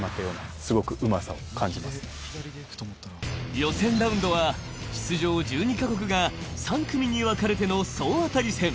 予選ラウンドは出場１２か国が３組にわかれての総当たり戦。